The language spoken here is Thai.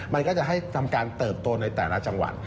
มันก็จะให้ทำการเติบโตในแต่ละจังหวัด